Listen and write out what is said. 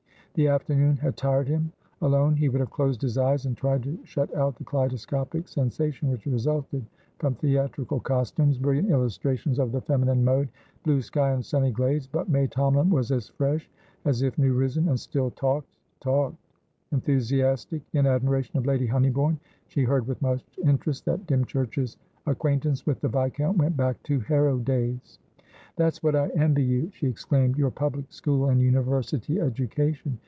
The afternoon had tired him; alone, he would have closed his eyes, and tried to shut out the kaleidoscopic sensation which resulted from theatrical costumes, brilliant illustrations of the feminine mode, blue sky and sunny glades; but May Tomalin was as fresh as if new risen, and still talked, talked. Enthusiastic in admiration of Lady Honeybourne, she heard with much interest that Dymchurch's acquaintance with the Viscount went back to Harrow days. "That's what I envy you," she exclaimed, "your public school and University education!